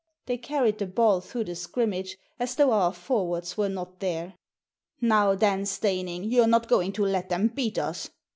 They carried the ball through the scrimmage as though our forwards were not there. " Now then, Steyning, you're not going to let them beat us!"